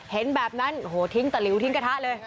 เห็นแบบนั้นโอ้โหทิ้งตะหลิวทิ้งกระทะเลย